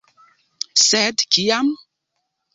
Sed kiam?